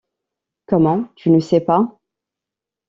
Comment, tu ne sais pas?